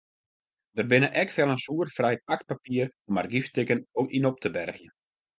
Der binne ek fellen soerfrij pakpapier om argyfstikken yn op te bergjen.